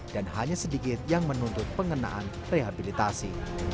dan hanya sedikit yang menuntut pengenaan rehabilitasi